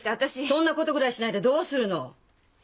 そんなことぐらいしないでどうするの？